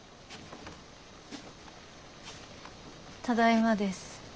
ただいまです。